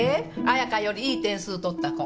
彩香よりいい点数取った子。